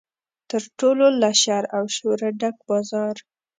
تر ټولو له شر او شوره ډک بازار.